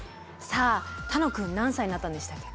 さあ楽くん何歳になったんでしたっけ？